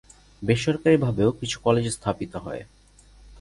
বেসরকারিভাবেও কিছু কলেজ স্থাপিত হয়।